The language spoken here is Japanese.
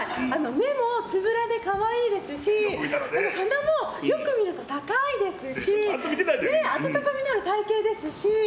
目もつぶらで可愛いですし鼻もよく見ると高いですし温かみのある体形ですし。